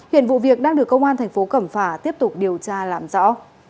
hiện vụ việc đang được công an thành phố cẩm phả tiếp tục điều tra làm rõ